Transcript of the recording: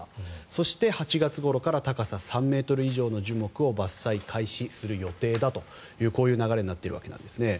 そして、８月ごろから高さ３ｍ以上の樹木を伐採開始する予定だという流れになっているわけですね。